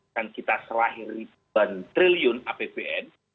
yang kita selahir ribuan triliun apbn